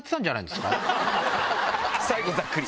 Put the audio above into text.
最後ざっくり。